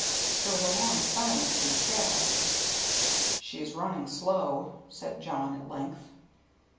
There was a long silence in the cab. "She's running slow," said Jawn, at length.